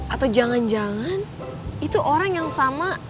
atau jangan jangan itu orang yang sama